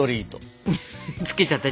付けちゃった？